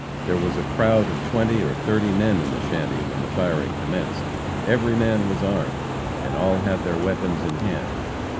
There was a crowd of twenty or thirty men in the shanty when the firing commenced. Every man was armed, and all had their weapons in hand.